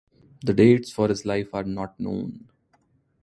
The dates for his life are not known.